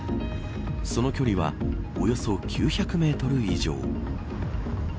その距離はおよそ９００メートル以上。